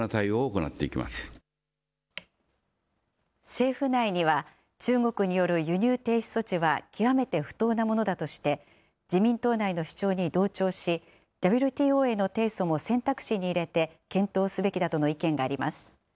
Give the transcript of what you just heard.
政府内には、中国による輸入停止措置は極めて不当なものだとして、自民党内の主張に同調し、ＷＴＯへの提訴も選択肢に入れて検討すべきだとの意見があります。